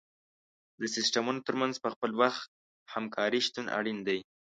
د سیستمونو تر منځ په خپل وخت همکاري شتون اړین دی.